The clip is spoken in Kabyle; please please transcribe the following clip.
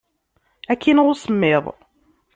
Ad k-ineɣ usemmiḍ.